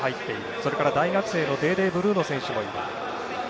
それから大学生のデーデーブルーノ選手もいる。